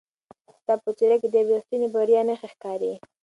ستا په څېره کې د یوې رښتینې بریا نښې ښکاري.